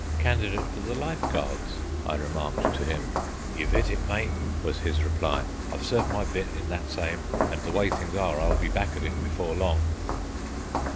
"Candidate for the Life Guards," I remarked to him. "You've hit it, mate," was his reply; "I've served my bit in that same, and the way things are I'll be back at it before long."